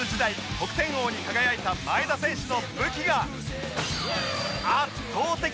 得点王に輝いた前田選手の武器が